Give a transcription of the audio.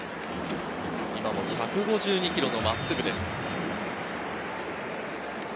今も１５２キロの真っすぐです。